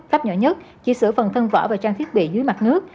cách nhỏ nhất chỉ sửa phần thân vỏ và trang thiết bị dưới mặt nước